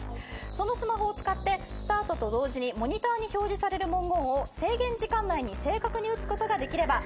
そのスマホを使ってスタートと同時にモニターに表示される文言を制限時間内に正確に打つことができればクリア。